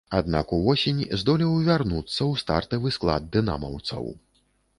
Аднак увосень здолеў вярнуцца ў стартавы склад дынамаўцаў.